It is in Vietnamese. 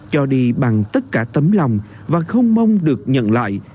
cho đi bằng tất cả tấm lòng và không mong được nhận lại